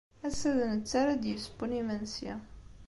Ass-a d netta ara d-yessewwen imensi.